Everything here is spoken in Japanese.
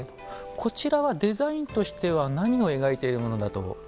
こちらはデザインとしては何を描いているものだ